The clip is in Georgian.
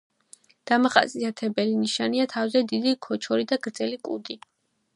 დამახასიათებელი ნიშანია თავზე დიდი ქოჩორი და გრძელი კუდი.